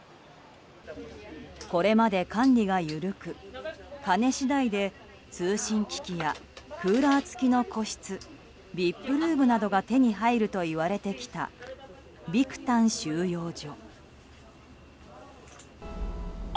これまで管理が緩く、金次第で通信機器やクーラー付きの個室ＶＩＰルームなどが手に入るといわれてきたビクタン収容所。